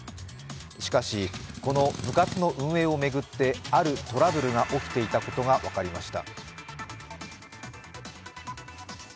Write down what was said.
しかし、この部活の運営を巡って、あるトラブルが起きていたことが分かりました。